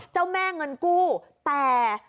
เจ้าแม่เงินกู้แต่